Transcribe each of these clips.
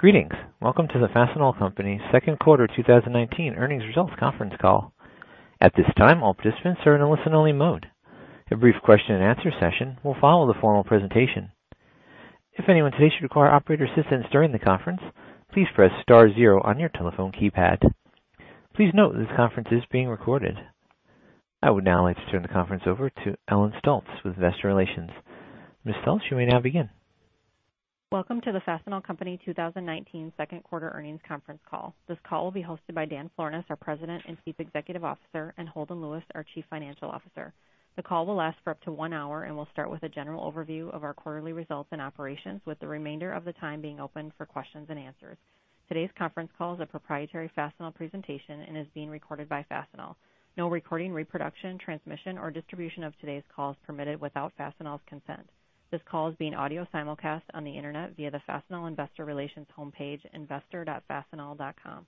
Greetings. Welcome to the Fastenal Company second quarter 2019 earnings results conference call. At this time, all participants are in a listen only mode. A brief question and answer session will follow the formal presentation. If anyone today should require operator assistance during the conference, please press star zero on your telephone keypad. Please note this conference is being recorded. I would now like to turn the conference over to Ellen Stolts with Investor Relations. Ms. Stolts, you may now begin. Welcome to the Fastenal Company 2019 second quarter earnings conference call. This call will be hosted by Dan Florness, our President and Chief Executive Officer, and Holden Lewis, our Chief Financial Officer. The call will last for up to one hour and will start with a general overview of our quarterly results and operations, with the remainder of the time being open for questions and answers. Today's conference call is a proprietary Fastenal presentation and is being recorded by Fastenal. No recording, reproduction, transmission, or distribution of today's call is permitted without Fastenal's consent. This call is being audio simulcast on the internet via the Fastenal Investor Relations homepage, investor.fastenal.com.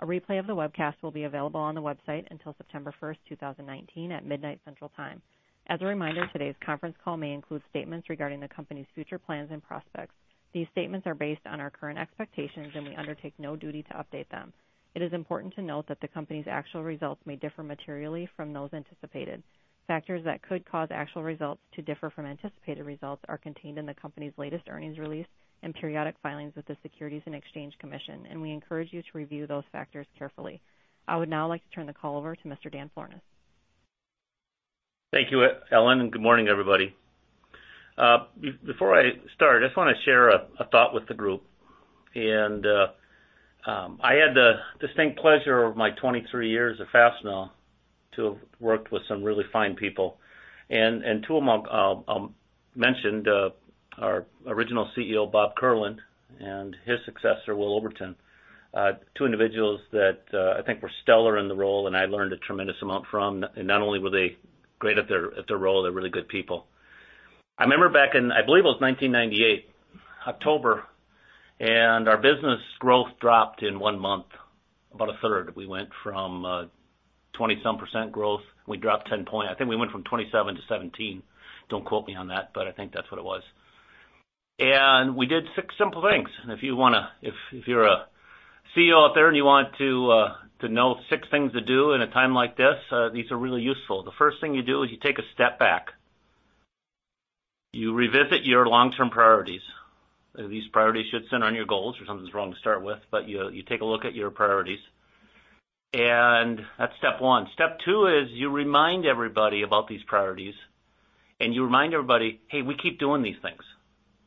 A replay of the webcast will be available on the website until September 1st, 2019, at midnight, Central Time. As a reminder, today's conference call may include statements regarding the company's future plans and prospects. These statements are based on our current expectations. We undertake no duty to update them. It is important to note that the company's actual results may differ materially from those anticipated. Factors that could cause actual results to differ from anticipated results are contained in the company's latest earnings release and periodic filings with the Securities and Exchange Commission. We encourage you to review those factors carefully. I would now like to turn the call over to Mr. Dan Florness. Thank you, Ellen. Good morning, everybody. Before I start, I just want to share a thought with the group. I had the distinct pleasure of my 23 years at Fastenal to have worked with some really fine people. Two of them I'll mention, our original CEO, Bob Kierlin, and his successor, Will Oberton. Two individuals that I think were stellar in the role. I learned a tremendous amount from. Not only were they great at their role, they're really good people. I remember back in, I believe it was 1998, October. Our business growth dropped in one month about a third. We went from 20-some percent growth. We dropped 10 point. I think we went from 27-17. Don't quote me on that, but I think that's what it was. We did six simple things. If you're a CEO out there and you want to know six things to do in a time like this, these are really useful. The first thing you do is you take a step back. You revisit your long-term priorities. These priorities should center on your goals or something's wrong to start with, but you take a look at your priorities. That's step one. Step two is you remind everybody about these priorities, and you remind everybody, "Hey, we keep doing these things."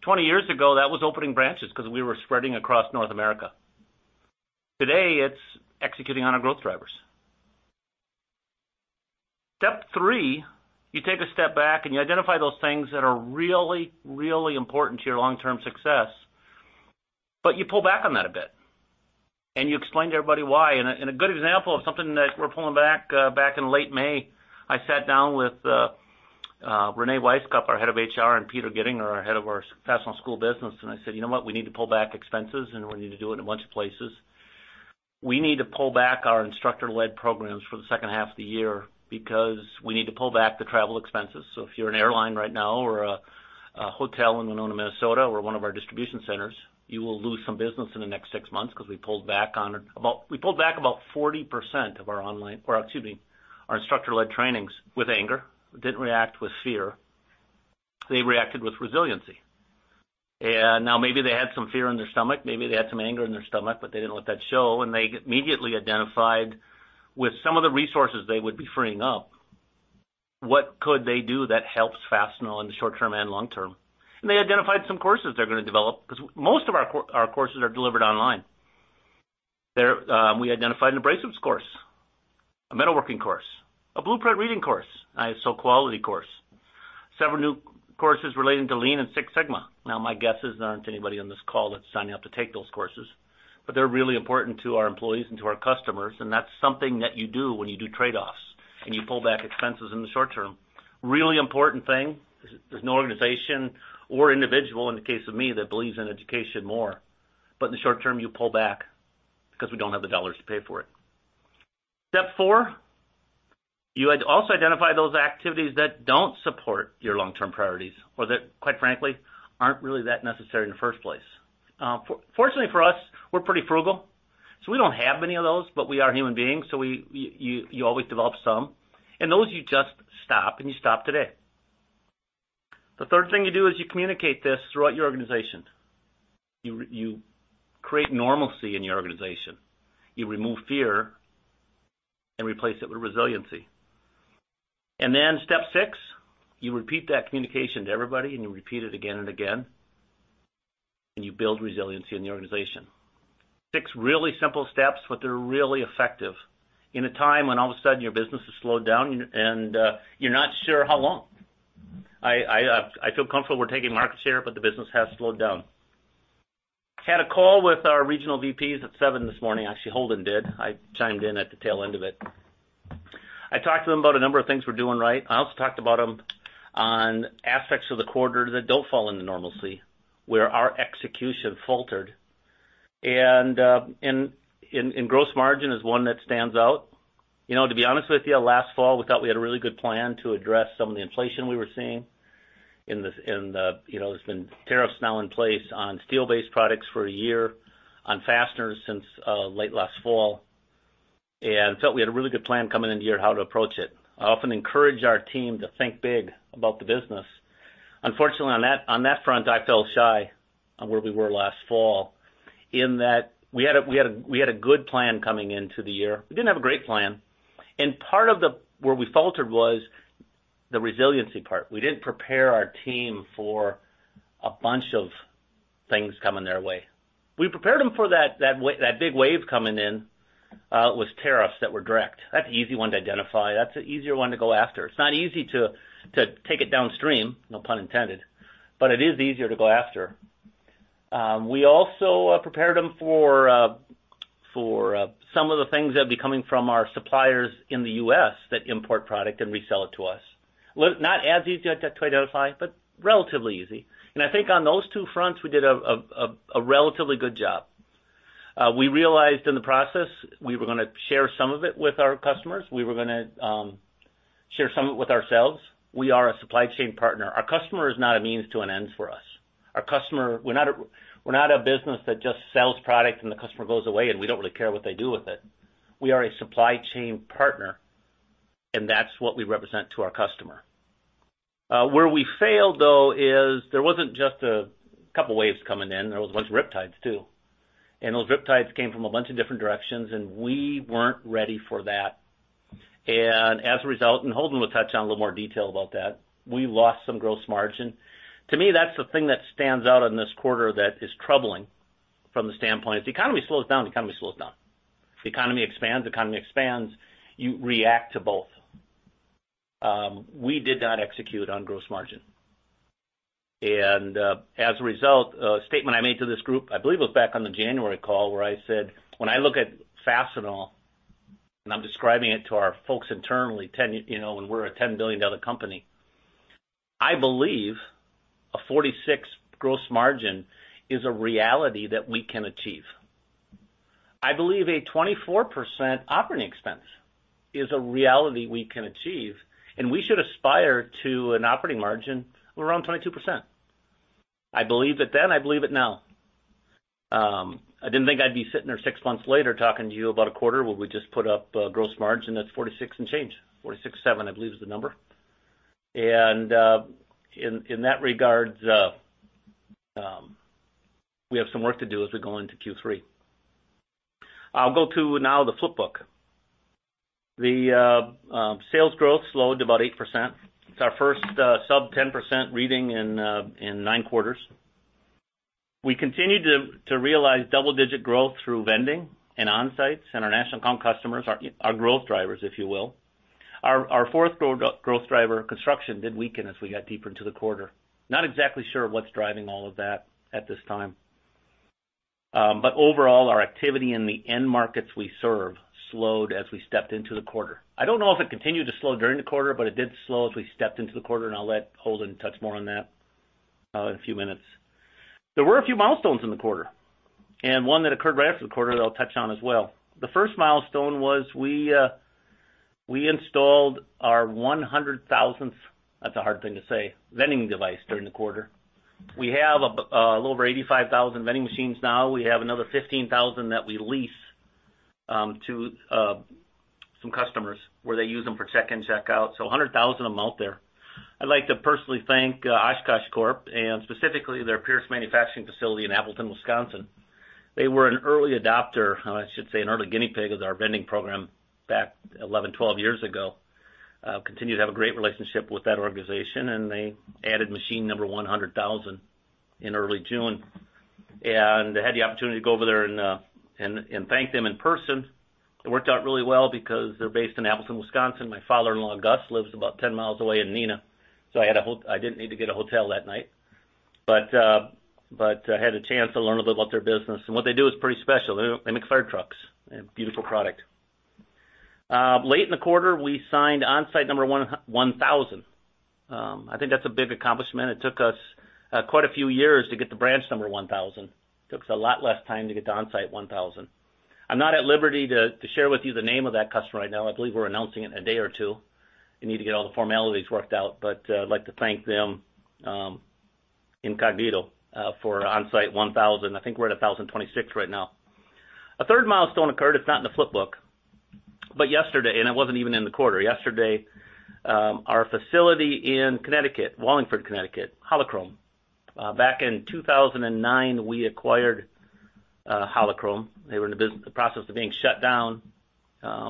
20 years ago, that was opening branches because we were spreading across North America. Today, it's executing on our growth drivers. Step three, you take a step back and you identify those things that are really, really important to your long-term success, but you pull back on that a bit, and you explain to everybody why. A good example of something that we're pulling back in late May, I sat down with Reyne Wisecup, our Head of HR, and Peter Guidinger, our head of our Fastenal School of Business, and I said, "You know what? We need to pull back expenses, and we need to do it in a bunch of places." We need to pull back our instructor-led programs for the second half of the year because we need to pull back the travel expenses. If you're an airline right now or a hotel in Winona, Minnesota, or one of our distribution centers, you will lose some business in the next six months because we pulled back about 40% of our online, or excuse me, our instructor-led trainings. With anger. Didn't react with fear. They reacted with resiliency. Now, maybe they had some fear in their stomach, maybe they had some anger in their stomach, but they didn't let that show, and they immediately identified with some of the resources they would be freeing up. What could they do that helps Fastenal in the short term and long term? They identified some courses they're going to develop because most of our courses are delivered online. We identified an abrasives course, a metalworking course, a blueprint reading course, ISO quality course, several new courses relating to Lean and Six Sigma. My guess is there aren't anybody on this call that's signing up to take those courses, but they're really important to our employees and to our customers, and that's something that you do when you do trade-offs and you pull back expenses in the short term. Really important thing, there's no organization or individual, in the case of me, that believes in education more. In the short term, you pull back because we don't have the dollars to pay for it. Step four, you also identify those activities that don't support your long-term priorities or that, quite frankly, aren't really that necessary in the first place. Fortunately for us, we're pretty frugal, so we don't have many of those, but we are human beings, so you always develop some. Those you just stop, and you stop today. The third thing you do is you communicate this throughout your organization. You create normalcy in your organization. You remove fear and replace it with resiliency. Step six, you repeat that communication to everybody, and you repeat it again and again, and you build resiliency in the organization. Six really simple steps, but they're really effective in a time when all of a sudden your business has slowed down and you're not sure how long. I feel comfortable we're taking market share, but the business has slowed down. Had a call with our regional VPs at 7:00 A.M. this morning. Actually, Holden did. I chimed in at the tail end of it. I talked to them about a number of things we're doing right. I also talked about them on aspects of the quarter that don't fall into normalcy, where our execution faltered. Gross margin is one that stands out. To be honest with you, last fall, we thought we had a really good plan to address some of the inflation we were seeing. There's been tariffs now in place on steel-based products for a year, on fasteners since late last fall. Thought we had a really good plan coming into the year, how to approach it. I often encourage our team to think big about the business. Unfortunately, on that front, I fell shy on where we were last fall in that we had a good plan coming into the year. We didn't have a great plan. Part of where we faltered was the resiliency part. We didn't prepare our team for a bunch of things coming their way. We prepared them for that big wave coming in with tariffs that were direct. That's an easy one to identify. That's an easier one to go after. It's not easy to take it downstream, no pun intended, but it is easier to go after. We also prepared them for some of the things that'd be coming from our suppliers in the U.S. that import product and resell it to us. Not as easy to identify, but relatively easy. I think on those two fronts, we did a relatively good job. We realized in the process we were going to share some of it with our customers. We were going to share some of it with ourselves. We are a supply chain partner. Our customer is not a means to an end for us. We're not a business that just sells product and the customer goes away and we don't really care what they do with it. We are a supply chain partner, and that's what we represent to our customer. Where we failed, though, is there wasn't just a couple waves coming in. There was a bunch of riptides too. Those riptides came from a bunch of different directions, and we weren't ready for that. As a result, and Holden will touch on a little more detail about that, we lost some gross margin. To me, that's the thing that stands out in this quarter that is troubling from the standpoint, if the economy slows down, the economy slows down. If the economy expands, the economy expands. You react to both. We did not execute on gross margin. As a result, a statement I made to this group, I believe it was back on the January call, where I said, "When I look at Fastenal," and I'm describing it to our folks internally, when we're a $10 billion company, "I believe a 46% gross margin is a reality that we can achieve. I believe a 24% operating expense is a reality we can achieve, and we should aspire to an operating margin of around 22%." I believed it then. I believe it now. I didn't think I'd be sitting here six months later talking to you about a quarter where we just put up gross margin that's 46 and change. 46.7, I believe, is the number. In that regards, we have some work to do as we go into Q3. I'll go to now the flipbook. The sales growth slowed to about 8%. It's our first sub 10% reading in nine quarters. We continue to realize double-digit growth through vending and onsites and our national account customers, our growth drivers, if you will. Our fourth growth driver, construction, did weaken as we got deeper into the quarter. Not exactly sure what's driving all of that at this time. Overall, our activity in the end markets we serve slowed as we stepped into the quarter. I don't know if it continued to slow during the quarter, but it did slow as we stepped into the quarter, and I'll let Holden touch more on that in a few minutes. There were a few milestones in the quarter, and one that occurred right after the quarter that I'll touch on as well. The first milestone was we installed our 100,000th, that's a hard thing to say, vending device during the quarter. We have a little over 85,000 vending machines now. We have another 15,000 that we lease to some customers where they use them for check-in, check-out. So 100,000 of them out there. I'd like to personally thank Oshkosh Corp, and specifically their Pierce Manufacturing facility in Appleton, Wisconsin. They were an early adopter, or I should say an early guinea pig, of our vending program back 11, 12 years ago. Continue to have a great relationship with that organization, and they added machine number 100,000 in early June. I had the opportunity to go over there and thank them in person. It worked out really well because they're based in Appleton, Wisconsin. My father-in-law, Gus, lives about 10 miles away in Neenah, so I didn't need to get a hotel that night. I had a chance to learn a little about their business, and what they do is pretty special. They make fire trucks. A beautiful product. Late in the quarter, we signed onsite number 1,000. I think that's a big accomplishment. It took us quite a few years to get to branch number 1,000. Took us a lot less time to get to onsite 1,000. I'm not at liberty to share with you the name of that customer right now. I believe we're announcing it in a day or two. They need to get all the formalities worked out. I'd like to thank them, incognito, for onsite 1,000. I think we're at 1,026 right now. A third milestone occurred, it's not in the flipbook, but yesterday, and it wasn't even in the quarter. Yesterday, our facility in Connecticut, Wallingford, Connecticut, Holo-Krome. Back in 2009, we acquired Holo-Krome. They were in the process of being shut down.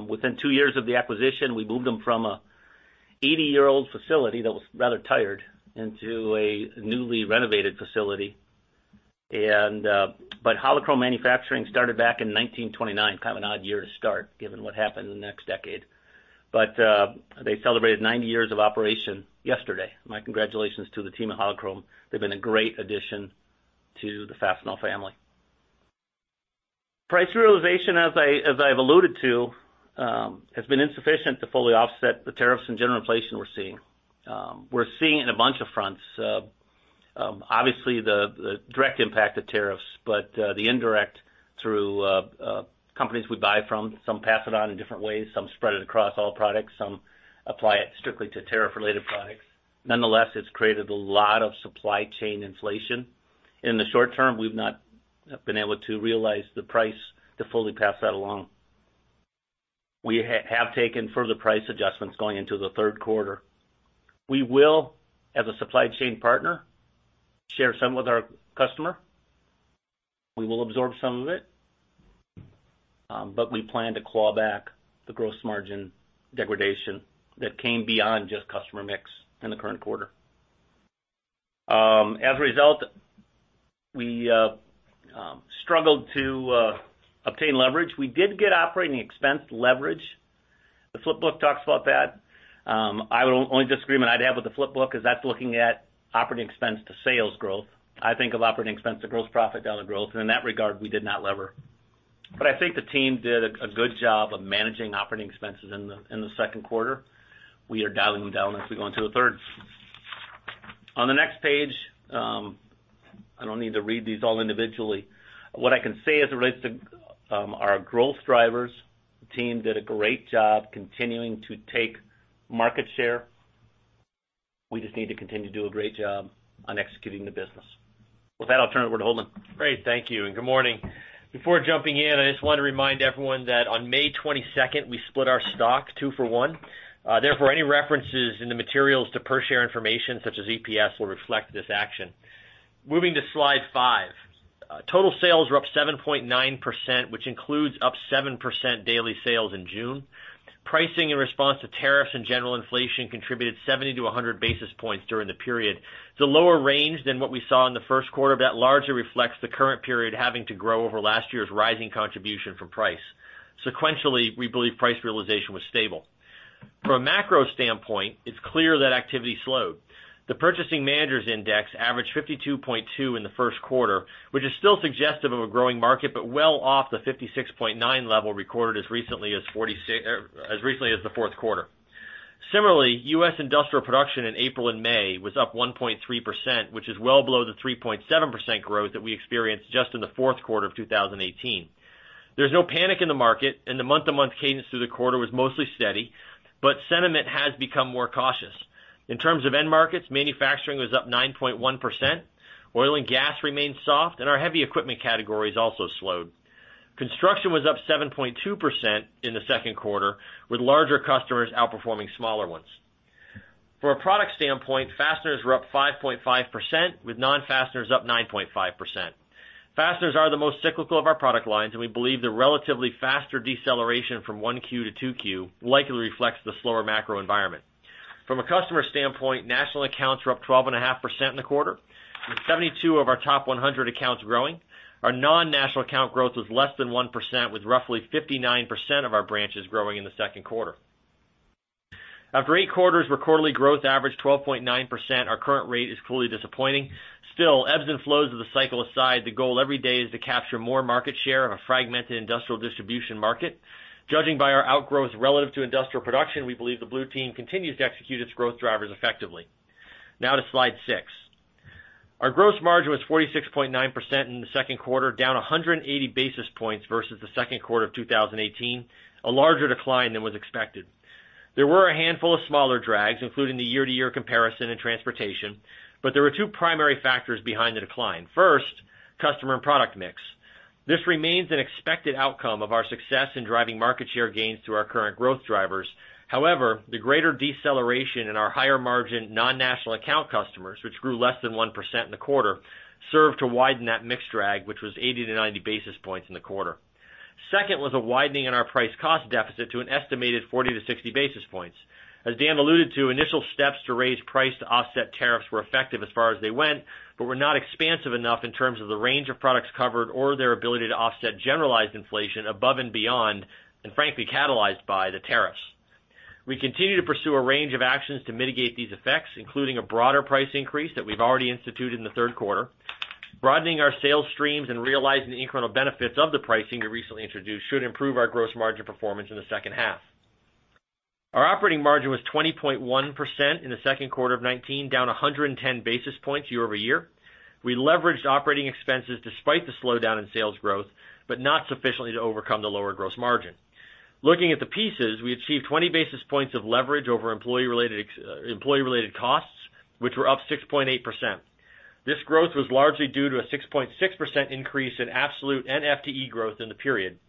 Within two years of the acquisition, we moved them from an 80-year-old facility that was rather tired into a newly renovated facility. Holo-Krome Manufacturing started back in 1929. Kind of an odd year to start, given what happened in the next decade. They celebrated 90 years of operation yesterday. My congratulations to the team at Holo-Krome. They've been a great addition to the Fastenal family. Price realization, as I have alluded to, has been insufficient to fully offset the tariffs and general inflation we're seeing. We're seeing in a bunch of fronts, obviously the direct impact of tariffs, but the indirect through companies we buy from, some pass it on in different ways, some spread it across all products, some apply it strictly to tariff-related products. It's created a lot of supply chain inflation. In the short term, we've not been able to realize the price to fully pass that along. We have taken further price adjustments going into the third quarter. We will, as a supply chain partner, share some with our customer. We will absorb some of it, but we plan to claw back the gross margin degradation that came beyond just customer mix in the current quarter. As a result we struggled to obtain leverage. We did get operating expense leverage. The flip book talks about that. Only disagreement I'd have with the flip book is that's looking at operating expense to sales growth. I think of operating expense to gross profit dollar growth. In that regard, we did not lever. I think the team did a good job of managing operating expenses in the second quarter. We are dialing them down as we go into the third. On the next page, I don't need to read these all individually. What I can say as it relates to our growth drivers, the team did a great job continuing to take market share. We just need to continue to do a great job on executing the business. With that, I'll turn it over to Holden. Great. Thank you. Good morning. Before jumping in, I just want to remind everyone that on May 22nd, we split our stock two for one. Any references in the materials to per share information such as EPS will reflect this action. Moving to slide five. Total sales were up 7.9%, which includes up 7% daily sales in June. Pricing in response to tariffs and general inflation contributed 70-100 basis points during the period. It's a lower range than what we saw in the first quarter. That largely reflects the current period having to grow over last year's rising contribution from price. Sequentially, we believe price realization was stable. From a macro standpoint, it's clear that activity slowed. The Purchasing Managers' Index averaged 52.2 in the first quarter, which is still suggestive of a growing market. Well off the 56.9 level recorded as recently as the fourth quarter. Similarly, U.S. industrial production in April and May was up 1.3%, which is well below the 3.7% growth that we experienced just in the fourth quarter of 2018. There's no panic in the market. The month-to-month cadence through the quarter was mostly steady. Sentiment has become more cautious. In terms of end markets, manufacturing was up 9.1%, oil and gas remained soft. Our heavy equipment categories also slowed. Construction was up 7.2% in the second quarter, with larger customers outperforming smaller ones. From a product standpoint, fasteners were up 5.5% with non-fasteners up 9.5%. Fasteners are the most cyclical of our product lines. We believe the relatively faster deceleration from 1Q to 2Q likely reflects the slower macro environment. From a customer standpoint, national accounts were up 12.5% in the quarter, with 72 of our top 100 accounts growing. Our non-national account growth was less than 1% with roughly 59% of our branches growing in the second quarter. After eight quarters, quarterly growth averaged 12.9%. Our current rate is clearly disappointing. Still, ebbs and flows of the cycle aside, the goal every day is to capture more market share of a fragmented industrial distribution market. Judging by our outgrowth relative to industrial production, we believe the blue team continues to execute its growth drivers effectively. Now to slide six. Our gross margin was 46.9% in the second quarter, down 180 basis points versus the second quarter of 2018, a larger decline than was expected. There were a handful of smaller drags, including the year-over-year comparison in transportation. There were two primary factors behind the decline. First, customer and product mix. This remains an expected outcome of our success in driving market share gains through our current growth drivers. However, the greater deceleration in our higher margin non-national account customers, which grew less than 1% in the quarter, served to widen that mix drag, which was 80-90 basis points in the quarter. Second was a widening in our price cost deficit to an estimated 40-60 basis points. As Dan alluded to, initial steps to raise price to offset tariffs were effective as far as they went, were not expansive enough in terms of the range of products covered or their ability to offset generalized inflation above and beyond, frankly, catalyzed by the tariffs. We continue to pursue a range of actions to mitigate these effects, including a broader price increase that we've already instituted in the third quarter. Broadening our sales streams and realizing the incremental benefits of the pricing we recently introduced should improve our gross margin performance in the second half. Our operating margin was 20.1% in the second quarter of 2019, down 110 basis points year-over-year. We leveraged operating expenses despite the slowdown in sales growth, not sufficiently to overcome the lower gross margin. Looking at the pieces, we achieved 20 basis points of leverage over employee-related costs, which were up 6.8%. This growth was largely due to a 6.6% increase in absolute and FTE growth in the period.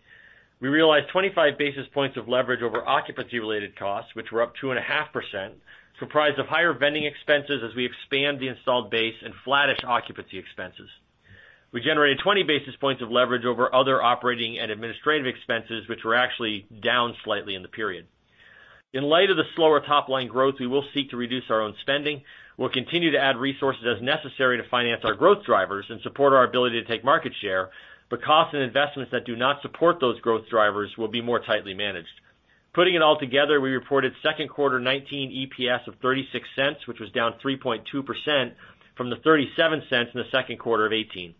We realized 25 basis points of leverage over occupancy-related costs, which were up 2.5%, comprised of higher vending expenses as we expand the installed base and flattish occupancy expenses. We generated 20 basis points of leverage over other operating and administrative expenses, which were actually down slightly in the period. In light of the slower top-line growth, we will seek to reduce our own spending. We'll continue to add resources as necessary to finance our growth drivers and support our ability to take market share, but costs and investments that do not support those growth drivers will be more tightly managed. Putting it all together, we reported second quarter 2019 EPS of $0.36, which was down 3.2% from the $0.37 in the second quarter of 2018.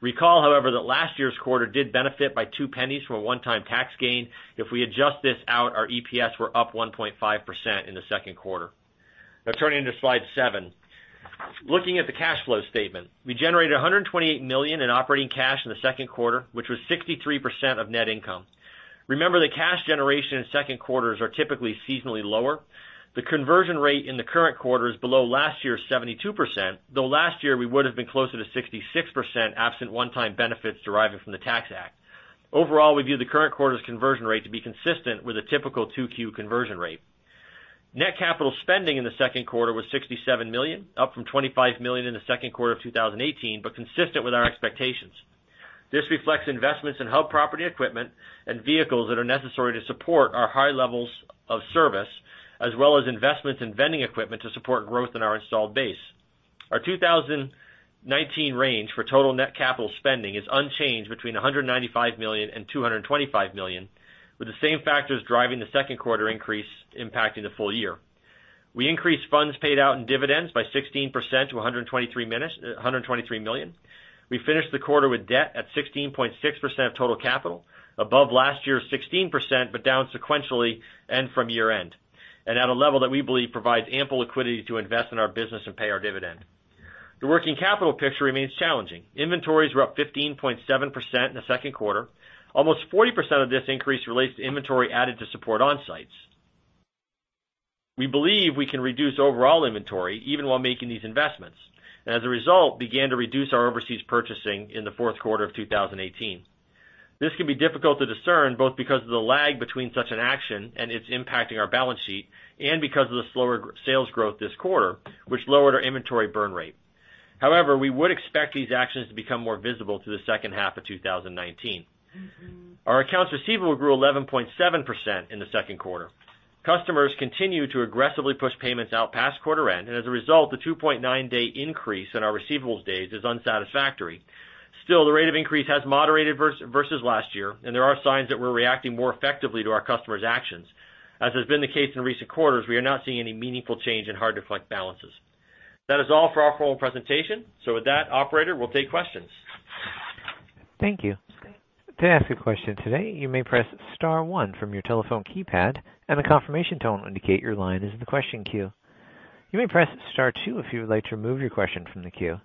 Recall, however, that last year's quarter did benefit by $0.02 from a one-time tax gain. If we adjust this out, our EPS were up 1.5% in the second quarter. Turning to slide seven. Looking at the cash flow statement. We generated $128 million in operating cash in the second quarter, which was 63% of net income. Remember that cash generation in second quarters are typically seasonally lower. The conversion rate in the current quarter is below last year's 72%, though last year we would've been closer to 66% absent one-time benefits deriving from the Tax Act. Overall, we view the current quarter's conversion rate to be consistent with a typical 2Q conversion rate. Net capital spending in the second quarter was $67 million, up from $25 million in the second quarter of 2018, but consistent with our expectations. This reflects investments in hub property equipment and vehicles that are necessary to support our high levels of service, as well as investments in vending equipment to support growth in our installed base. Our 2019 range for total net capital spending is unchanged between $195 million and $225 million, with the same factors driving the second quarter increase impacting the full year. We increased funds paid out in dividends by 16% to $123 million. We finished the quarter with debt at 16.6% of total capital, above last year's 16%, but down sequentially and from year-end, and at a level that we believe provides ample liquidity to invest in our business and pay our dividend. The working capital picture remains challenging. Inventories were up 15.7% in the second quarter. Almost 40% of this increase relates to inventory added to support on-sites. We believe we can reduce overall inventory, even while making these investments, and as a result, began to reduce our overseas purchasing in the fourth quarter of 2018. This can be difficult to discern, both because of the lag between such an action and its impacting our balance sheet, and because of the slower sales growth this quarter, which lowered our inventory burn rate. However, we would expect these actions to become more visible through the second half of 2019. Our accounts receivable grew 11.7% in the second quarter. Customers continue to aggressively push payments out past quarter end, and as a result, the 2.9 day increase in our receivables days is unsatisfactory. Still, the rate of increase has moderated versus last year, and there are signs that we're reacting more effectively to our customers' actions. As has been the case in recent quarters, we are not seeing any meaningful change in hard to collect balances. That is all for our formal presentation. With that, operator, we'll take questions. Thank you. To ask a question today, you may press star one from your telephone keypad, and the confirmation tone will indicate your line is in the question queue. You may press star two if you would like to remove your question from the queue.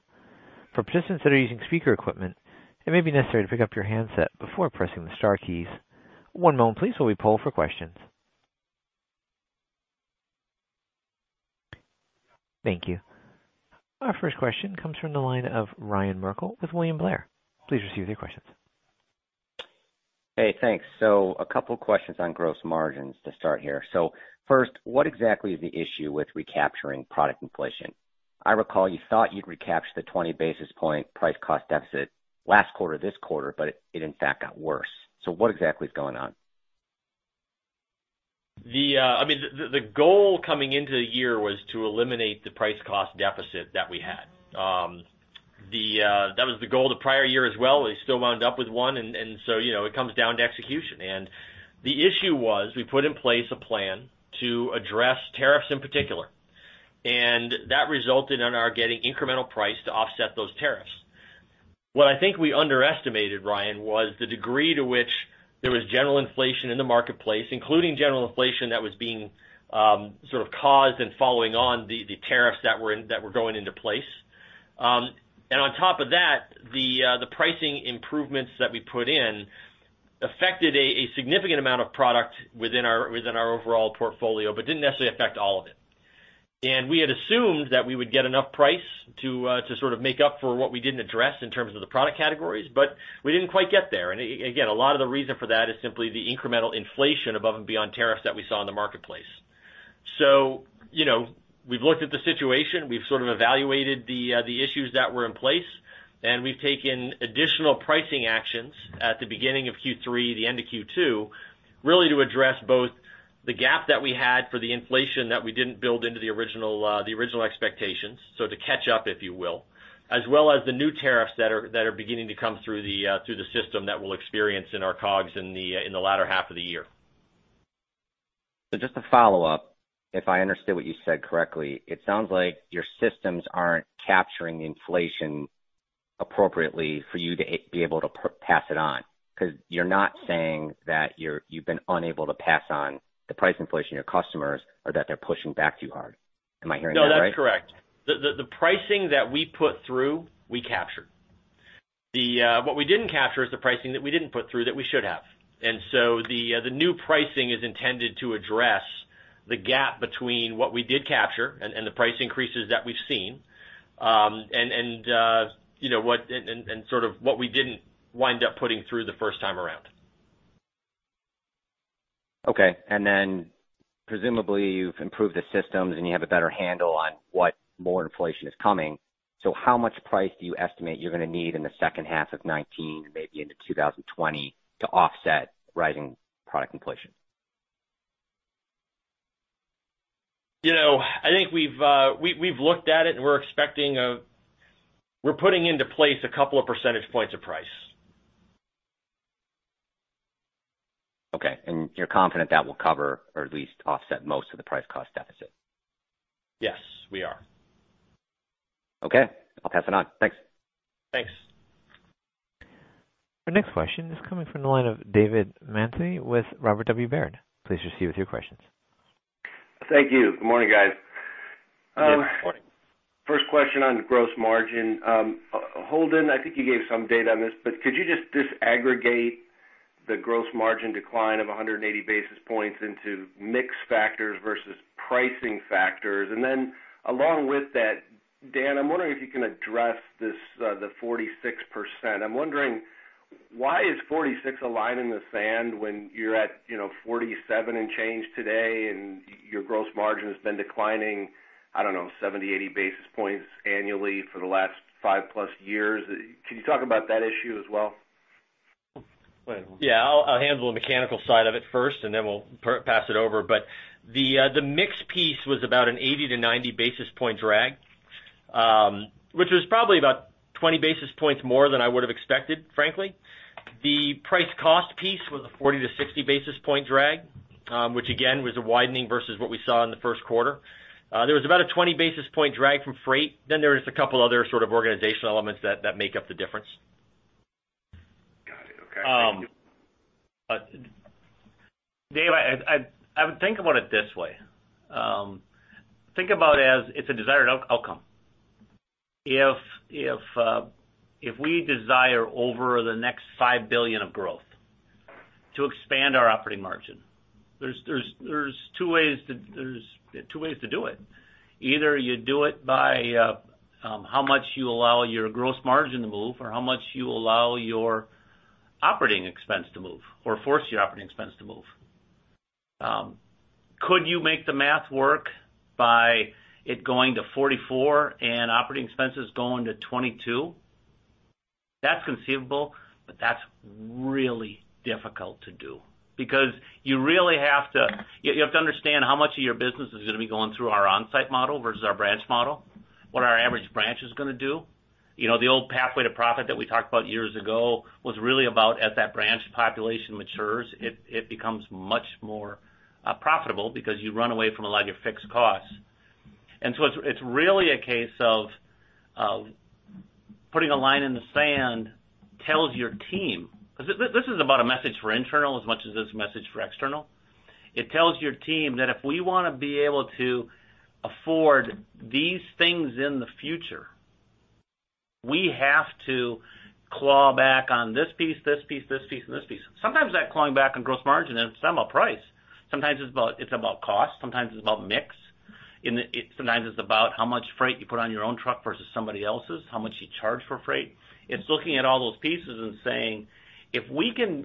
For participants that are using speaker equipment, it may be necessary to pick up your handset before pressing the star keys. One moment please while we poll for questions. Thank you. Our first question comes from the line of Ryan Merkel with William Blair. Please proceed with your questions. Hey, thanks. A couple of questions on gross margins to start here. First, what exactly is the issue with recapturing product inflation? I recall you thought you'd recapture the 20 basis point price cost deficit last quarter, this quarter, but it in fact got worse. What exactly is going on? The goal coming into the year was to eliminate the price cost deficit that we had. That was the goal the prior year as well. We still wound up with one, it comes down to execution. The issue was, we put in place a plan to address tariffs in particular, and that resulted in our getting incremental price to offset those tariffs. What I think we underestimated, Ryan, was the degree to which there was general inflation in the marketplace, including general inflation that was being sort of caused and following on the tariffs that were going into place. On top of that, the pricing improvements that we put in affected a significant amount of product within our overall portfolio, but didn't necessarily affect all of it. We had assumed that we would get enough price to sort of make up for what we didn't address in terms of the product categories, but we didn't quite get there. Again, a lot of the reason for that is simply the incremental inflation above and beyond tariffs that we saw in the marketplace. We've looked at the situation, we've sort of evaluated the issues that were in place, and we've taken additional pricing actions at the beginning of Q3, the end of Q2, really to address both the gap that we had for the inflation that we didn't build into the original expectations, so to catch up, if you will, as well as the new tariffs that are beginning to come through the system that we'll experience in our COGS in the latter half of the year. just to follow up, if I understood what you said correctly, it sounds like your systems aren't capturing inflation appropriately for you to be able to pass it on, because you're not saying that you've been unable to pass on the price inflation to your customers, or that they're pushing back too hard. Am I hearing that right? No, that's correct. The pricing that we put through, we captured. What we didn't capture is the pricing that we didn't put through that we should have. The new pricing is intended to address the gap between what we did capture and the price increases that we've seen. Sort of what we didn't wind up putting through the first time around. Okay. Presumably, you've improved the systems, and you have a better handle on what more inflation is coming. How much price do you estimate you're gonna need in the second half of 2019, maybe into 2020, to offset rising product inflation? I think we've looked at it, and we're putting into place a couple of percentage points of price. Okay. You're confident that will cover or at least offset most of the price cost deficit? Yes, we are. Okay. I'll pass it on. Thanks. Thanks. Our next question is coming from the line of David Manthey with Robert W. Baird. Please proceed with your questions. Thank you. Good morning, guys. Good morning. First question on gross margin. Holden, I think you gave some data on this, but could you just disaggregate the gross margin decline of 180 basis points into mix factors versus pricing factors? Then along with that, Dan, I'm wondering if you can address the 46%. I'm wondering why is 46 a line in the sand when you're at 47 and change today, and your gross margin has been declining, I don't know, 70, 80 basis points annually for the last five plus years. Can you talk about that issue as well? Yeah. I'll handle the mechanical side of it first, and then we'll pass it over. The mixed piece was about an 80-90 basis point drag, which was probably about 20 basis points more than I would have expected, frankly. The price cost piece was a 40-60 basis point drag, which again, was a widening versus what we saw in the first quarter. There was about a 20 basis point drag from freight. There was a couple other sort of organizational elements that make up the difference. Got it. Okay. Thank you. David, think about it this way. Think about as it's a desired outcome. If we desire over the next $5 billion of growth to expand our operating margin, there's two ways to do it. Either you do it by how much you allow your gross margin to move or how much you allow your operating expense to move or force your operating expense to move. Could you make the math work by it going to 44 and operating expenses going to 22? That's conceivable, but that's really difficult to do because you have to understand how much of your business is going to be going through our on-site model versus our branch model, what our average branch is going to do. The old pathway to profit that we talked about years ago was really about as that branch population matures, it becomes much more profitable because you run away from a lot of your fixed costs. It's really a case of putting a line in the sand tells your team. This isn't about a message for internal as much as it's a message for external. It tells your team that if we want to be able to afford these things in the future, we have to claw back on this piece, this piece, this piece, and this piece. Sometimes that clawing back on gross margin is some are price. Sometimes it's about cost. Sometimes it's about mix. Sometimes it's about how much freight you put on your own truck versus somebody else's, how much you charge for freight. It's looking at all those pieces and saying, if we can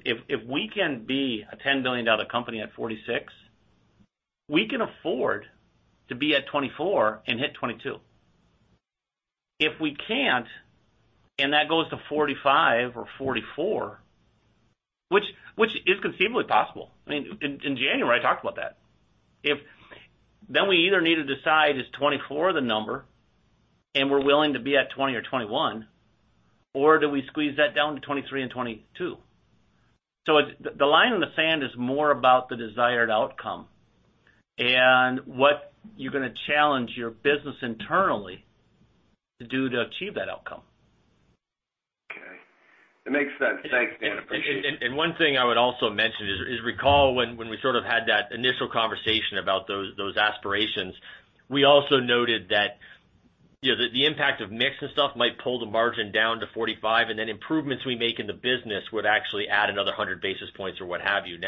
be a $10 billion company at 46, we can afford to be at 24 and hit 22. If we can't, and that goes to 45 or 44, which is conceivably possible. I mean, in January, I talked about that. We either need to decide is 24 the number, and we're willing to be at 20 or 21, or do we squeeze that down to 23 and 22. The line in the sand is more about the desired outcome and what you're going to challenge your business internally to do to achieve that outcome. Okay. It makes sense. Thanks, Dan. Appreciate it. One thing I would also mention is recall when we sort of had that initial conversation about those aspirations, we also noted that the impact of mix and stuff might pull the margin down to 45%, then improvements we make in the business would actually add another 100 basis points or what have you.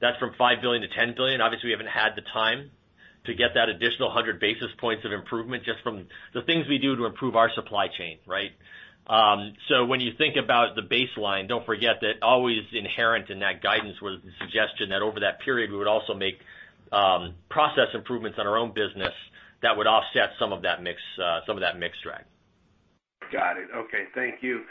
That's from $5 billion-$10 billion. Obviously, we haven't had the time to get that additional 100 basis points of improvement just from the things we do to improve our supply chain, right? When you think about the baseline, don't forget that always inherent in that guidance was the suggestion that over that period, we would also make process improvements on our own business that would offset some of that mix drag. Got it. Okay. Thank you.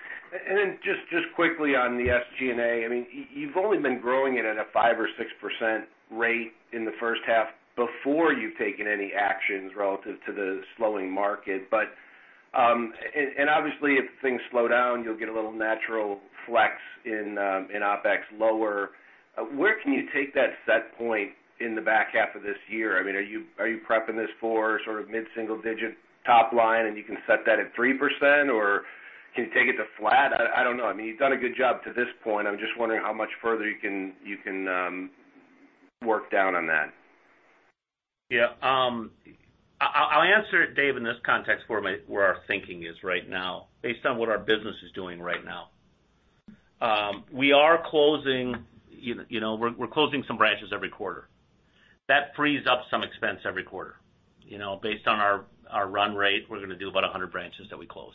Then just quickly on the SG&A. You've only been growing it at a 5% or 6% rate in the first half before you've taken any actions relative to the slowing market. Obviously if things slow down, you'll get a little natural flex in OpEx lower. Where can you take that set point in the back half of this year? Are you prepping this for sort of mid-single digit top line and you can set that at 3% or can you take it to flat? I don't know. You've done a good job to this point. I'm just wondering how much further you can work down on that. Yeah. I'll answer it, Dave, in this context where our thinking is right now based on what our business is doing right now. We're closing some branches every quarter. That frees up some expense every quarter. Based on our run rate, we're going to do about 100 branches that we close.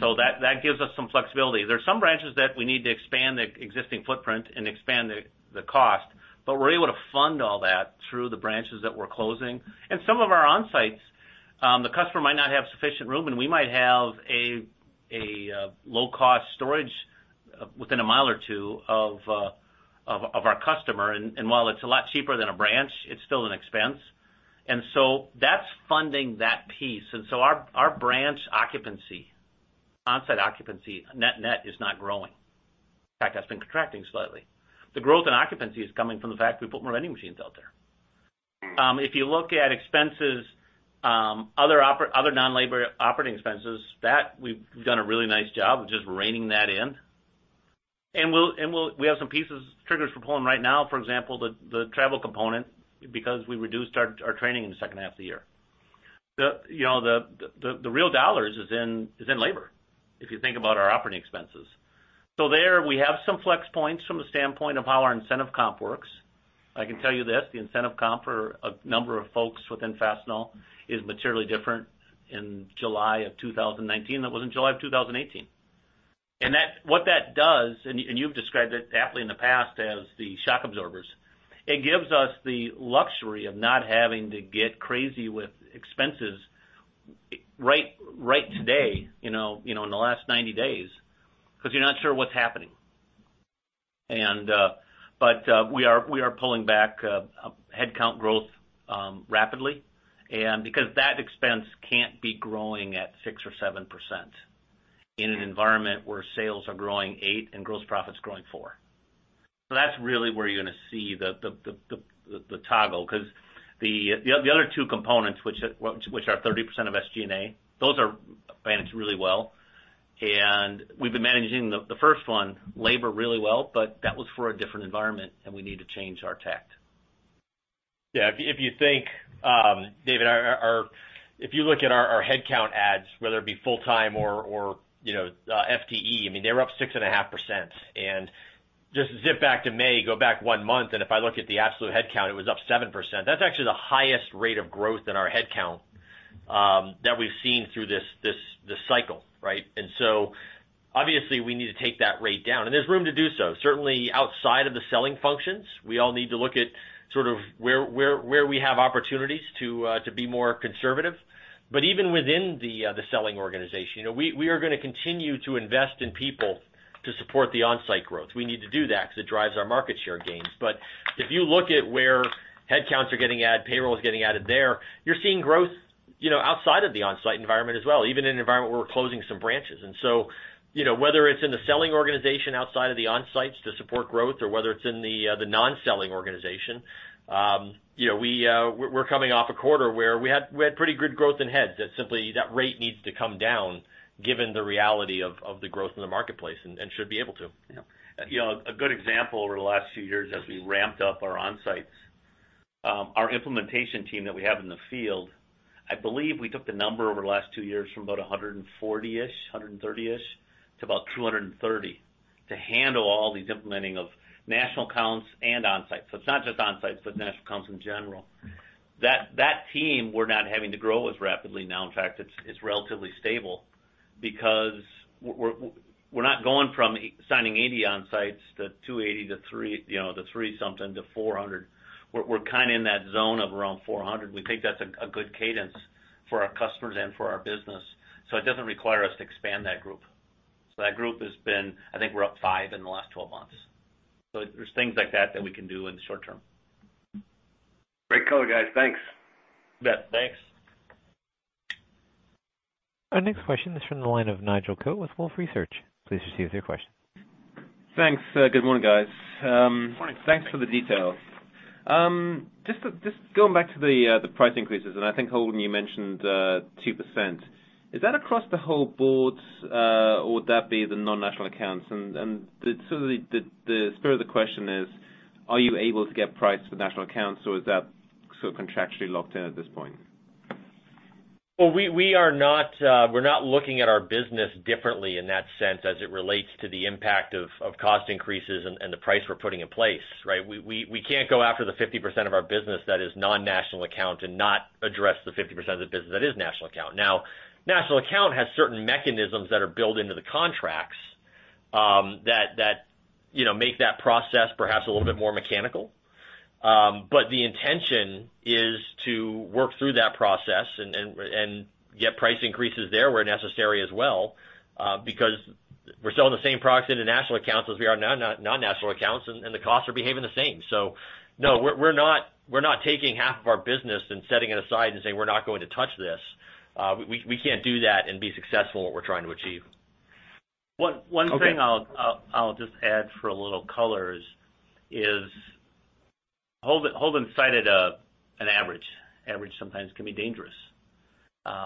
That gives us some flexibility. There are some branches that we need to expand the existing footprint and expand the cost, but we're able to fund all that through the branches that we're closing. Some of our on-sites, the customer might not have sufficient room, and we might have a- Low cost storage within a mile or two of our customer. While it's a lot cheaper than a branch, it's still an expense. That's funding that piece. Our branch occupancy, onsite occupancy net is not growing. In fact, that's been contracting slightly. The growth in occupancy is coming from the fact we put more vending machines out there. If you look at expenses, other non-labor operating expenses, we've done a really nice job of just reining that in. We have some pieces, triggers we're pulling right now, for example, the travel component, because we reduced our training in the second half of the year. The real dollars is in labor, if you think about our operating expenses. There, we have some flex points from the standpoint of how our incentive comp works. I can tell you this, the incentive comp for a number of folks within Fastenal is materially different in July of 2019 than it was in July of 2018. What that does, and you've described it aptly in the past as the shock absorbers, it gives us the luxury of not having to get crazy with expenses right today, in the last 90 days, because you're not sure what's happening. We are pulling back headcount growth rapidly, and because that expense can't be growing at 6% or 7% in an environment where sales are growing 8% and gross profit's growing 4%. That's really where you're going to see the toggle, because the other two components, which are 30% of SG&A, those are managed really well. We've been managing the first one, labor, really well, that was for a different environment. We need to change our tack. Yeah. If you think, David, if you look at our headcount adds, whether it be full-time or FTE, they were up 6.5%. Just zip back to May, go back one month, and if I look at the absolute headcount, it was up 7%. That's actually the highest rate of growth in our headcount that we've seen through this cycle, right? Obviously, we need to take that rate down, and there's room to do so. Certainly outside of the selling functions, we all need to look at sort of where we have opportunities to be more conservative. Even within the selling organization, we are going to continue to invest in people to support the onsite growth. We need to do that because it drives our market share gains. If you look at where headcounts are getting added, payroll is getting added there, you're seeing growth outside of the onsite environment as well, even in an environment where we're closing some branches. Whether it's in the selling organization outside of the onsites to support growth or whether it's in the non-selling organization, we're coming off a quarter where we had pretty good growth in heads. Simply, that rate needs to come down given the reality of the growth in the marketplace and should be able to. Yeah. A good example over the last few years as we ramped up our onsites, our implementation team that we have in the field, I believe we took the number over the last two years from about 140-ish, 130-ish, to about 230 to handle all these implementing of national accounts and onsite. It's not just onsite, but national accounts in general. That team we're not having to grow as rapidly now. In fact, it's relatively stable because we're not going from signing 80 onsites to 280-300 something to 400. We're kind of in that zone of around 400. We think that's a good cadence for our customers and for our business. It doesn't require us to expand that group. That group has been, I think we're up five in the last 12 months. There's things like that that we can do in the short term. Great color, guys. Thanks. You bet. Thanks. Our next question is from the line of Nigel Coe with Wolfe Research. Please proceed with your question. Thanks. Good morning, guys. Morning. Good morning. Thanks for the details. Just going back to the price increases, I think, Holden, you mentioned 2%. Is that across the whole board, or would that be the non-national accounts? The spirit of the question is, are you able to get price for national accounts, or is that sort of contractually locked in at this point? Well, we're not looking at our business differently in that sense as it relates to the impact of cost increases and the price we're putting in place, right? We can't go after the 50% of our business that is non-national account and not address the 50% of the business that is national account. National account has certain mechanisms that are built into the contracts that make that process perhaps a little bit more mechanical. The intention is to work through that process and get price increases there where necessary as well, because we're selling the same products into national accounts as we are non-national accounts, and the costs are behaving the same. No, we're not taking half of our business and setting it aside and saying, "We're not going to touch this." We can't do that and be successful at what we're trying to achieve. One thing I'll just add for a little color is, Holden cited an average. Average sometimes can be dangerous. If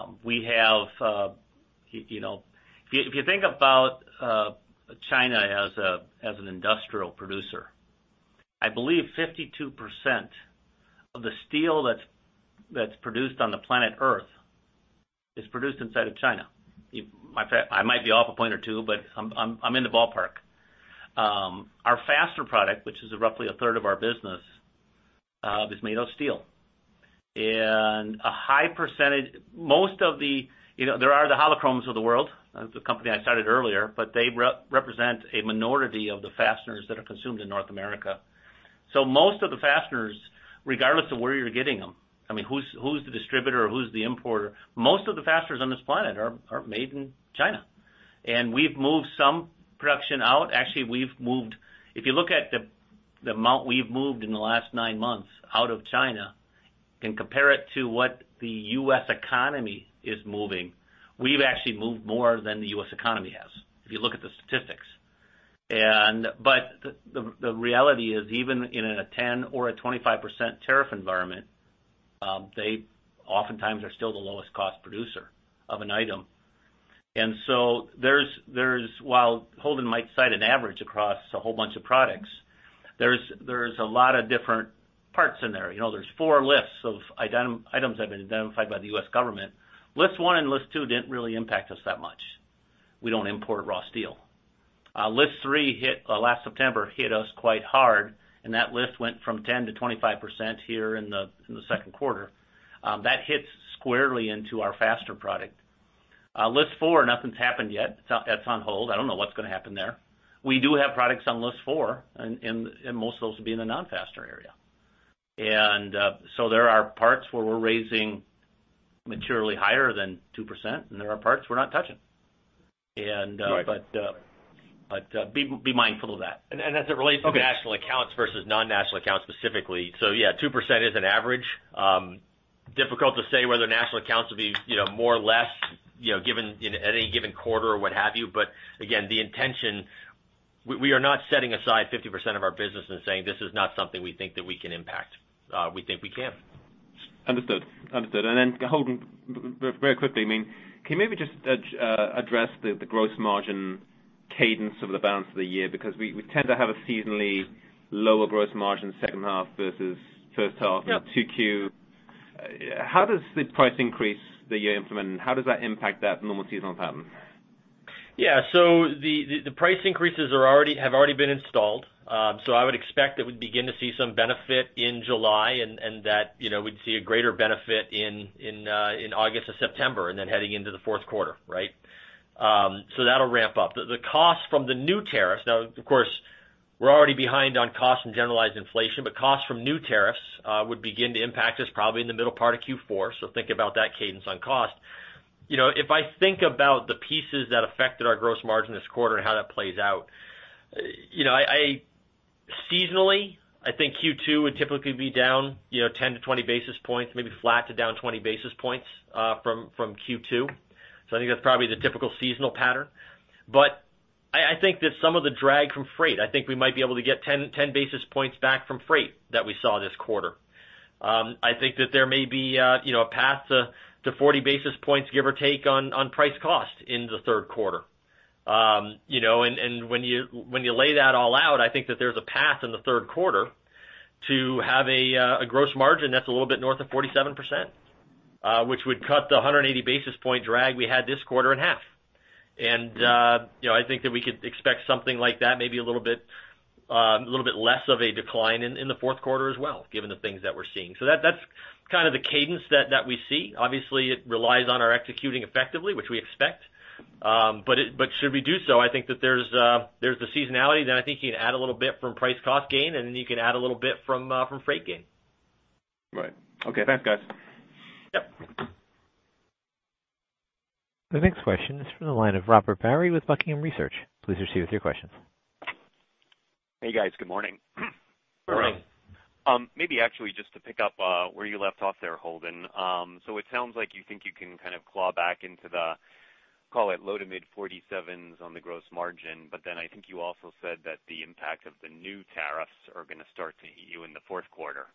you think about China as an industrial producer, I believe 52% of the steel that's produced on the planet Earth is produced inside of China. I might be off a point or two, but I'm in the ballpark. Our fastener product, which is roughly a third of our business, is made of steel. A high percentage-- There are the Holo-Kromes of the world, the company I cited earlier, but they represent a minority of the fasteners that are consumed in North America. Most of the fasteners, regardless of where you're getting them, who's the distributor or who's the importer? Most of the fasteners on this planet are made in China. We've moved some production out. Actually, if you look at the amount we've moved in the last nine months out of China and compare it to what the U.S. economy is moving, we've actually moved more than the U.S. economy has, if you look at the statistics. The reality is, even in a 10% or a 25% tariff environment, they oftentimes are still the lowest cost producer of an item. While Holden might cite an average across a whole bunch of products, there's a lot of different parts in there. There's four lists of items that have been identified by the U.S. government. List one and list two didn't really impact us that much. We don't import raw steel. List three, last September, hit us quite hard, and that list went from 10% to 25% here in the second quarter. That hits squarely into our fastener product. List four, nothing's happened yet. That's on hold. I don't know what's going to happen there. We do have products on list four, and most of those will be in the non-fastener area. There are parts where we're raising materially higher than 2%, and there are parts we're not touching. Right. Be mindful of that. As it relates to national accounts versus non-national accounts specifically, yeah, 2% is an average. Difficult to say whether national accounts will be more or less at any given quarter or what have you. Again, the intention, we are not setting aside 50% of our business and saying, "This is not something we think that we can impact." We think we can. Understood. Then Holden, very quickly, can you maybe just address the gross margin cadence of the balance of the year? Because we tend to have a seasonally lower gross margin second half versus first half in 2Q. Yep. How does the price increase that you implement, how does that impact that normal seasonal pattern? Yeah. The price increases have already been installed. I would expect that we would begin to see some benefit in July and that we would see a greater benefit in August or September, and then heading into the fourth quarter. Right? That will ramp up. The cost from the new tariffs. Now, of course, we are already behind on cost and generalized inflation, but costs from new tariffs would begin to impact us probably in the middle part of Q4. Think about that cadence on cost. If I think about the pieces that affected our gross margin this quarter and how that plays out, seasonally, I think Q2 would typically be down 10-20 basis points, maybe flat to down 20 basis points from Q2. I think that is probably the typical seasonal pattern. I think that some of the drag from freight, I think we might be able to get 10 basis points back from freight that we saw this quarter. I think that there may be a path to 40 basis points, give or take, on price cost in the third quarter. When you lay that all out, I think that there is a path in the third quarter to have a gross margin that is a little bit north of 47%, which would cut the 180 basis point drag we had this quarter in half. I think that we could expect something like that, maybe a little bit less of a decline in the fourth quarter as well, given the things that we are seeing. That is kind of the cadence that we see. Obviously, it relies on our executing effectively, which we expect. Should we do so, I think that there is the seasonality. Then I think you can add a little bit from price cost gain, and then you can add a little bit from freight gain. Right. Okay. Thanks, Gus. Yep. The next question is from the line of Robert Barry with Buckingham Research. Please proceed with your questions. Hey, guys. Good morning. Good morning. Maybe actually just to pick up where you left off there, Holden. It sounds like you think you can kind of claw back into the, call it low to mid 47s on the gross margin, but then I think you also said that the impact of the new tariffs are going to start to hit you in the fourth quarter.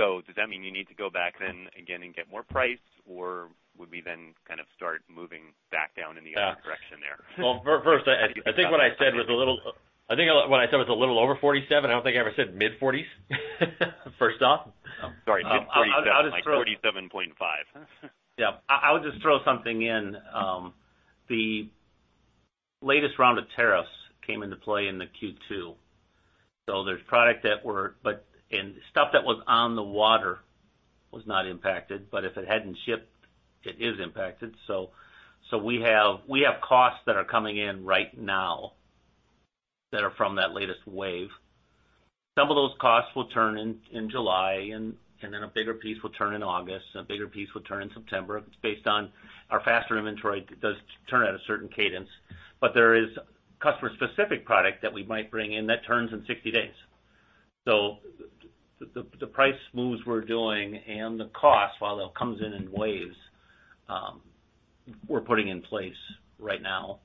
Does that mean you need to go back then again and get more price, or would we then kind of start moving back down in the other direction there? Well, first, I think what I said was a little over 47. I don't think I ever said mid-40s first off. Sorry. Mid-47, like 47.5. Yeah. I would just throw something in. The latest round of tariffs came into play into Q2. Stuff that was on the water was not impacted, but if it hadn't shipped, it is impacted. We have costs that are coming in right now that are from that latest wave. Some of those costs will turn in July, a bigger piece will turn in August, a bigger piece will turn in September based on our fastener inventory does turn at a certain cadence. There is customer-specific product that we might bring in that turns in 60 days. The price moves we're doing and the cost, while it comes in in waves, we're putting in place right now,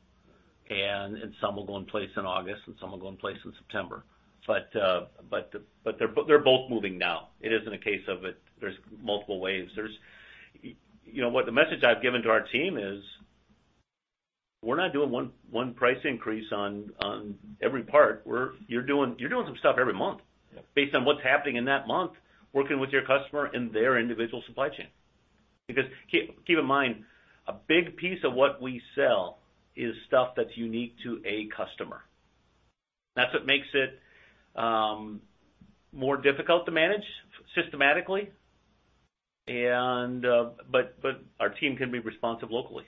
and some will go in place in August and some will go in place in September. They're both moving now. It isn't a case of there's multiple waves. The message I've given to our team is, we're not doing one price increase on every part. You're doing some stuff every month based on what's happening in that month, working with your customer in their individual supply chain. Because keep in mind, a big piece of what we sell is stuff that's unique to a customer. That's what makes it more difficult to manage systematically. Our team can be responsive locally.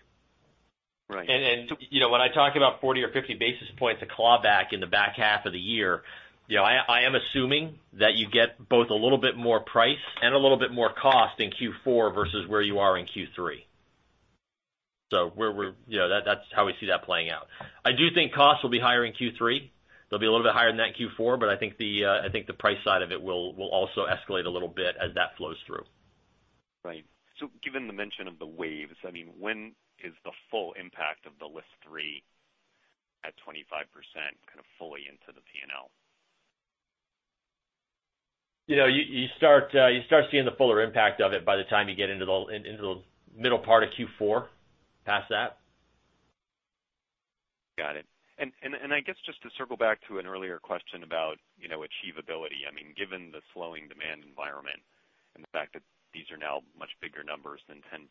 Right. When I talk about 40 or 50 basis points of clawback in the back half of the year, I am assuming that you get both a little bit more price and a little bit more cost in Q4 versus where you are in Q3. That's how we see that playing out. I do think costs will be higher in Q3. They'll be a little bit higher than that in Q4, but I think the price side of it will also escalate a little bit as that flows through. Right. Given the mention of the waves, when is the full impact of the list three at 25% kind of fully into the P&L? You start seeing the fuller impact of it by the time you get into the middle part of Q4, past that. Got it. I guess just to circle back to an earlier question about achievability. Given the slowing demand environment and the fact that these are now much bigger numbers than 10%,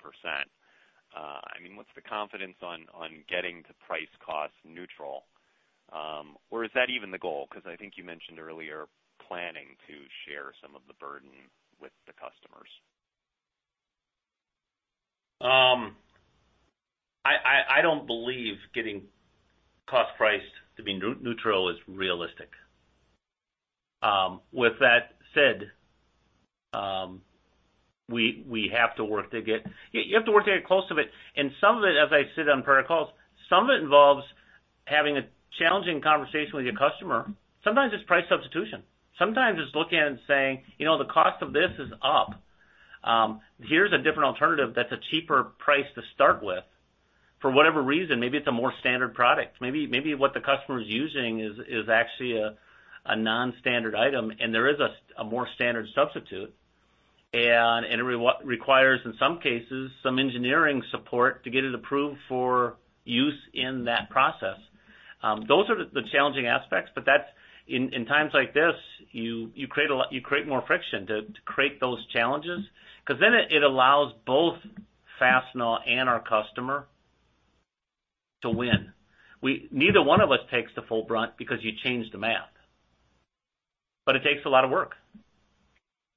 what's the confidence on getting to price cost neutral? Or is that even the goal? I think you mentioned earlier planning to share some of the burden with the customers. I don't believe getting cost price to be neutral is realistic. With that said, you have to work to get close to it, and some of it, as I sit on protocols, some of it involves having a challenging conversation with your customer. Sometimes it's price substitution. Sometimes it's looking and saying, "The cost of this is up. Here's a different alternative that's a cheaper price to start with." For whatever reason, maybe it's a more standard product. Maybe what the customer is using is actually a non-standard item, and there is a more standard substitute, and it requires, in some cases, some engineering support to get it approved for use in that process. Those are the challenging aspects, but in times like this, you create more friction to create those challenges, because then it allows both Fastenal and our customer to win. Neither one of us takes the full brunt because you change the math. It takes a lot of work.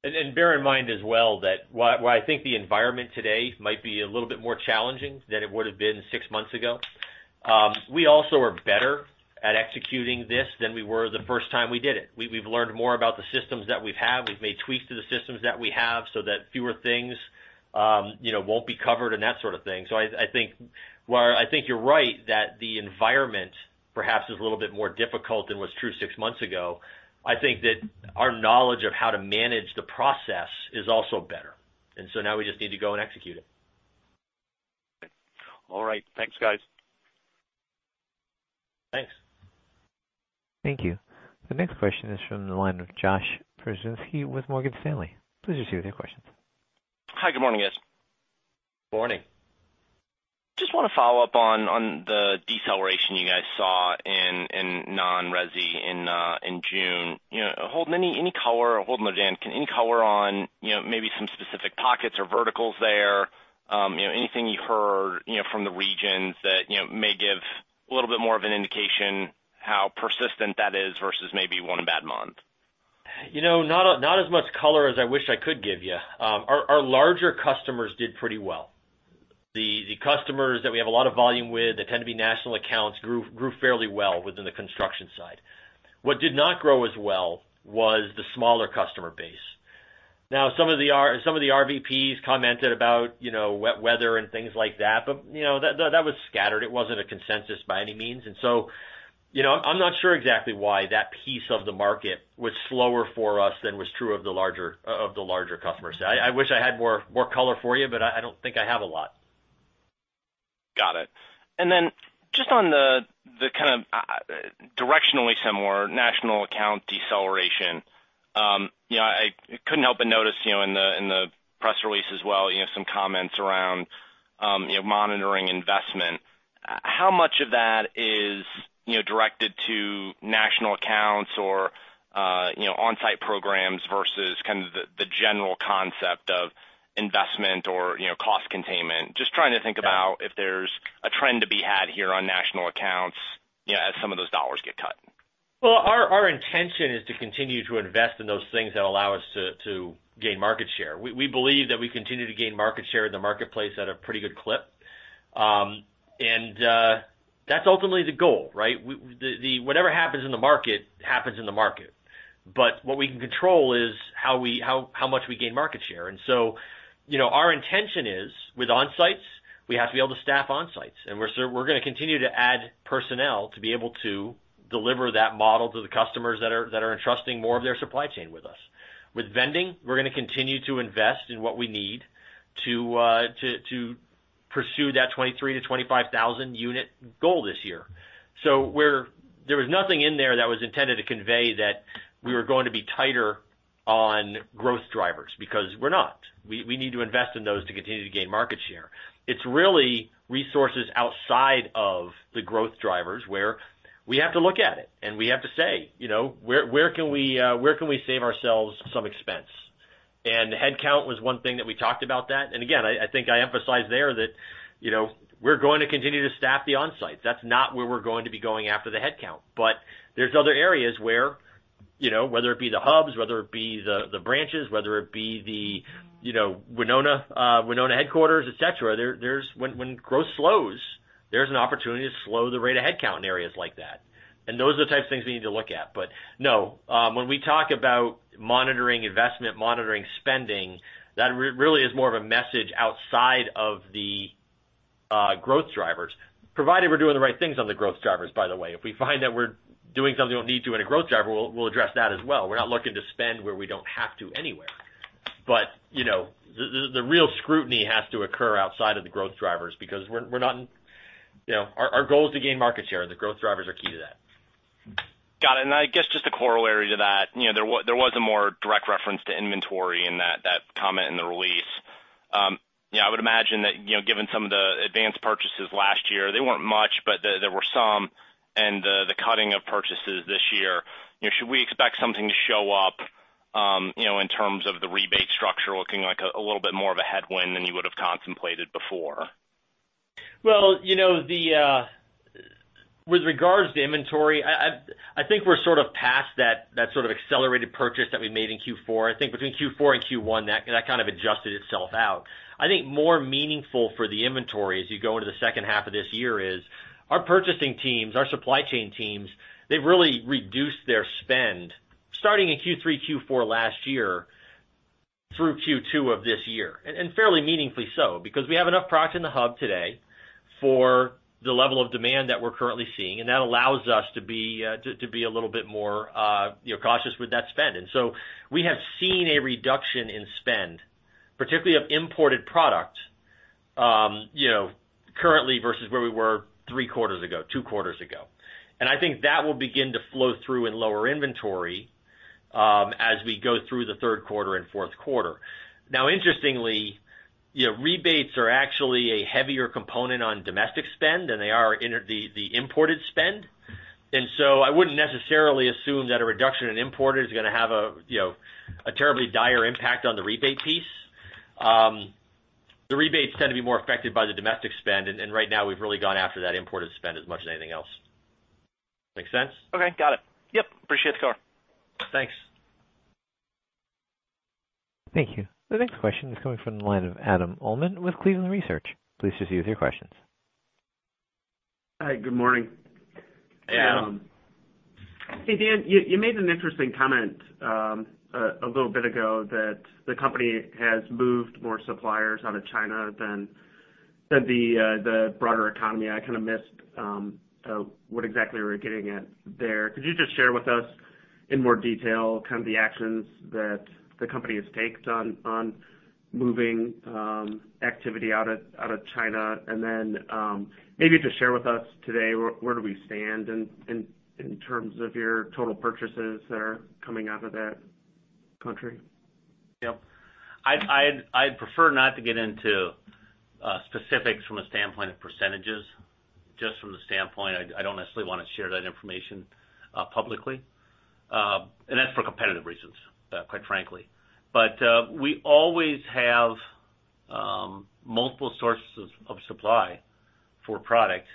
Bear in mind as well that while I think the environment today might be a little bit more challenging than it would have been six months ago, we also are better at executing this than we were the first time we did it. We've learned more about the systems that we have. We've made tweaks to the systems that we have so that fewer things won't be covered and that sort of thing. I think you're right, that the environment perhaps is a little bit more difficult than was true six months ago. I think that our knowledge of how to manage the process is also better, and so now we just need to go and execute it. Okay. All right. Thanks, guys. Thanks. Thank you. The next question is from the line of Josh Pokrzywinski with Morgan Stanley. Please proceed with your questions. Hi, good morning, guys. Morning. Just want to follow up on the deceleration you guys saw in non-resi in June. Holden, any color? Holden or Dan, any color on maybe some specific pockets or verticals there? Anything you heard from the regions that may give a little bit more of an indication how persistent that is versus maybe one bad month? Not as much color as I wish I could give you. Our larger customers did pretty well. The customers that we have a lot of volume with, that tend to be national accounts, grew fairly well within the construction side. What did not grow as well was the smaller customer base. Now, some of the RVPs commented about wet weather and things like that, but that was scattered. It was not a consensus by any means. So, I am not sure exactly why that piece of the market was slower for us than was true of the larger customer set. I wish I had more color for you, but I do not think I have a lot. Got it. Just on the kind of directionally similar national account deceleration. I could not help but notice in the press release as well, some comments around monitoring investment. How much of that is directed to national accounts or onsite programs versus kind of the general concept of investment or cost containment? Just trying to think about if there is a trend to be had here on national accounts, as some of those dollars get cut. Our intention is to continue to invest in those things that allow us to gain market share. We believe that we continue to gain market share in the marketplace at a pretty good clip. That's ultimately the goal, right? Whatever happens in the market happens in the market, but what we can control is how much we gain market share. Our intention is with onsites, we have to be able to staff onsites, and we're going to continue to add personnel to be able to deliver that model to the customers that are entrusting more of their supply chain with us. With vending, we're going to continue to invest in what we need to pursue that 23,000-25,000 unit goal this year. There was nothing in there that was intended to convey that we were going to be tighter on growth drivers, because we're not. We need to invest in those to continue to gain market share. It's really resources outside of the growth drivers where we have to look at it and we have to say, "Where can we save ourselves some expense?" Headcount was one thing that we talked about that. Again, I think I emphasized there that we're going to continue to staff the onsite. That's not where we're going to be going after the headcount. There's other areas whether it be the hubs, whether it be the branches, whether it be the Winona headquarters, et cetera. When growth slows, there's an opportunity to slow the rate of headcount in areas like that. Those are the types of things we need to look at. No, when we talk about monitoring investment, monitoring spending, that really is more of a message outside of the growth drivers. Provided we're doing the right things on the growth drivers, by the way. If we find that we're doing something we don't need to in a growth driver, we'll address that as well. We're not looking to spend where we don't have to anywhere. The real scrutiny has to occur outside of the growth drivers because our goal is to gain market share, and the growth drivers are key to that. Got it. I guess just a corollary to that. There was a more direct reference to inventory in that comment in the release. I would imagine that, given some of the advanced purchases last year, they weren't much, but there were some, and the cutting of purchases this year. Should we expect something to show up, in terms of the rebate structure looking like a little bit more of a headwind than you would have contemplated before? Well, with regards to inventory, I think we're past that sort of accelerated purchase that we made in Q4. I think between Q4 and Q1, that kind of adjusted itself out. I think more meaningful for the inventory as you go into the second half of this year is our purchasing teams, our supply chain teams, they've really reduced their spend starting in Q3, Q4 last year through Q2 of this year. Fairly meaningfully so. Because we have enough product in the hub today for the level of demand that we're currently seeing, and that allows us to be a little bit more cautious with that spend. We have seen a reduction in spend, particularly of imported product, currently versus where we were three quarters ago, two quarters ago. I think that will begin to flow through in lower inventory as we go through the third quarter and fourth quarter. Now, interestingly, rebates are actually a heavier component on domestic spend than they are in the imported spend. I wouldn't necessarily assume that a reduction in imported is going to have a terribly dire impact on the rebate piece. The rebates tend to be more affected by the domestic spend, and right now we've really gone after that imported spend as much as anything else. Make sense? Okay, got it. Yep, appreciate the call. Thanks. Thank you. The next question is coming from the line of Adam Uhlman with Cleveland Research Company. Please proceed with your questions. Hi, good morning. Hey, Adam. Hey, Dan, you made an interesting comment a little bit ago that the company has moved more suppliers out of China than the broader economy. I kind of missed what exactly you were getting at there. Could you just share with us in more detail the actions that the company has taken on moving activity out of China? Then maybe just share with us today where do we stand in terms of your total purchases that are coming out of that country? Yep. I'd prefer not to get into specifics from a standpoint of percentages, just from the standpoint I don't necessarily want to share that information publicly. That's for competitive reasons, quite frankly. We always have multiple sources of supply for product.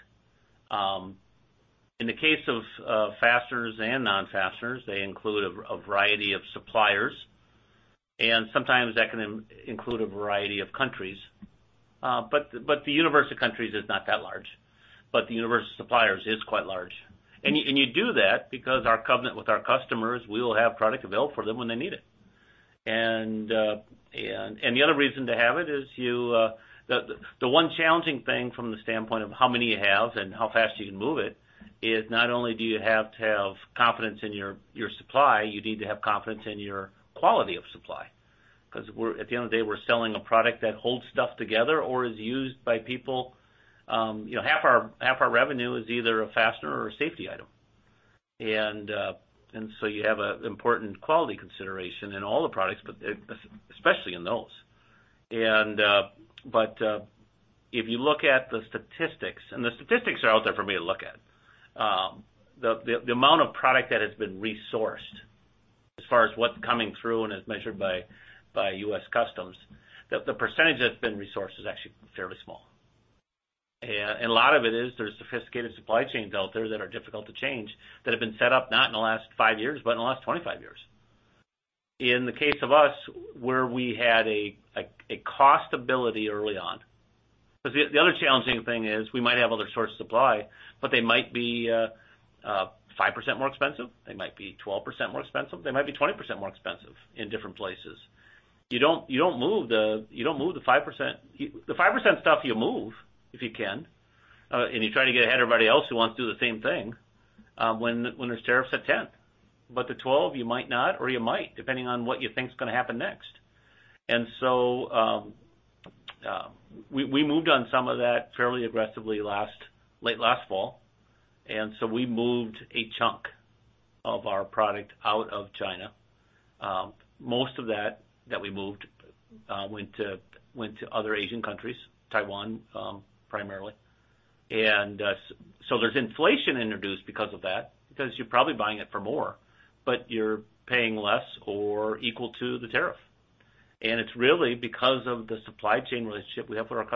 In the case of fasteners and non-fasteners, they include a variety of suppliers, and sometimes that can include a variety of countries. The universe of countries is not that large, but the universe of suppliers is quite large. You do that because our covenant with our customers, we will have product available for them when they need it. The other reason to have it is the one challenging thing from the standpoint of how many you have and how fast you can move it, is not only do you have to have confidence in your supply, you need to have confidence in your quality of supply. At the end of the day, we're selling a product that holds stuff together or is used by people. Half our revenue is either a fastener or a safety item. You have an important quality consideration in all the products, but especially in those. If you look at the statistics, and the statistics are out there for me to look at. The amount of product that has been resourced as far as what's coming through and as measured by U.S. Customs, the percentage that's been resourced is actually fairly small. A lot of it is there's sophisticated supply chains out there that are difficult to change, that have been set up not in the last five years, but in the last 25 years. In the case of us, where we had a cost ability early on. The other challenging thing is we might have other sources of supply, but they might be 5% more expensive, they might be 12% more expensive, they might be 20% more expensive in different places. You don't move the 5%. The 5% stuff you move if you can, and you try to get ahead of everybody else who wants to do the same thing, when there's tariffs at 10. The 12, you might not, or you might, depending on what you think is going to happen next. We moved on some of that fairly aggressively late last fall. We moved a chunk of our product out of China. Most of that we moved, went to other Asian countries, Taiwan, primarily. There's inflation introduced because of that, because you're probably buying it for more, but you're paying less or equal to the tariff. It's really because of the supply chain relationship we have with our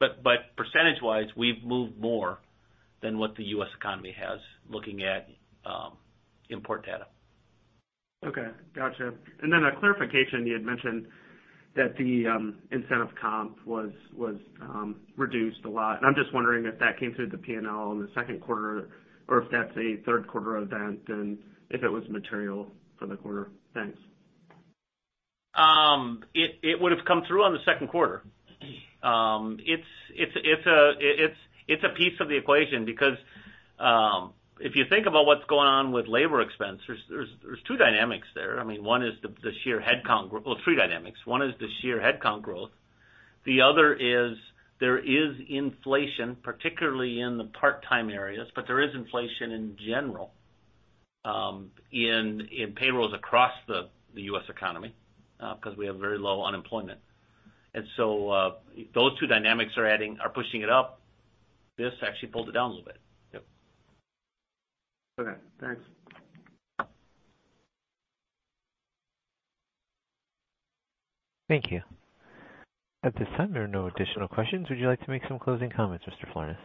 customer. Percentage wise, we've moved more than what the U.S. economy has, looking at import data. Okay. Got you. Then a clarification. You had mentioned that the incentive comp was reduced a lot, and I'm just wondering if that came through the P&L in the second quarter or if that's a third quarter event, and if it was material for the quarter. Thanks. It would have come through on the second quarter. It's a piece of the equation because if you think about what's going on with labor expense, there's two dynamics there. Well, three dynamics. One is the sheer headcount growth. The other is there is inflation, particularly in the part-time areas, but there is inflation in general in payrolls across the U.S. economy, because we have very low unemployment. Those two dynamics are pushing it up. This actually pulled it down a little bit. Yep. Okay. Thanks. Thank you. At this time, there are no additional questions. Would you like to make some closing comments, Mr. Florness?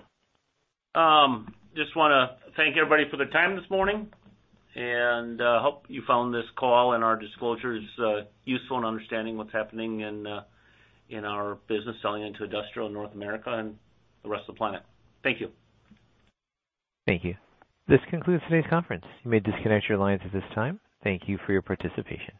Just want to thank everybody for their time this morning, hope you found this call and our disclosures useful in understanding what's happening in our business selling into industrial North America and the rest of the planet. Thank you. Thank you. This concludes today's conference. You may disconnect your lines at this time. Thank you for your participation.